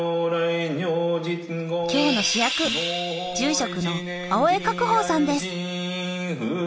今日の主役住職の青江覚峰さんです。